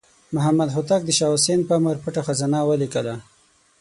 محمد هوتک د شاه حسین په امر پټه خزانه ولیکله.